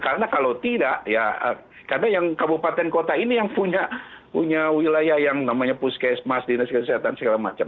karena kalau tidak ya karena yang kabupaten kota ini yang punya wilayah yang namanya puskesmas dinas kesehatan segala macam